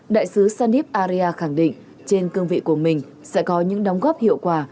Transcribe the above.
đại sứ sanip arya khẳng định trên cương vị của mình sẽ có những đóng góp hiệu quả